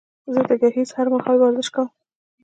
زه د ګهيځ هر مهال ورزش کوم